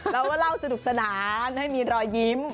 เราก็เล่าสนุกสนานให้มีรอยยิ้ม